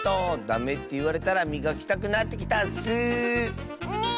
ダメっていわれたらみがきたくなってきたッス。ね。